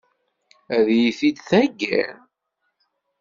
Ad iyi-t-id-theggiḍ?